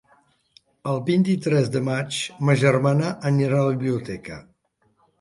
El vint-i-tres de maig ma germana anirà a la biblioteca.